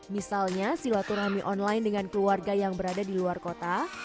misalnya silaturahmi online dengan keluarga yang berada di luar kota